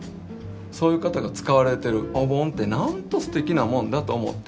そういう方が使われてるお盆ってなんとすてきなもんだと思って。